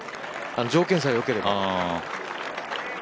条件さえよければ。